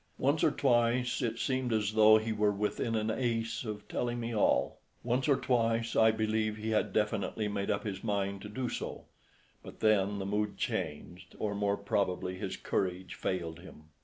Once or twice it seemed as though he were within an ace of telling me all; once or twice, I believe, he had definitely made up his mind to do so; but then the mood changed, or more probably his courage failed him.